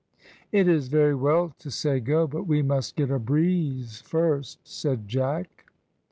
"It is very well to say go, but we must get a breeze first," said Jack.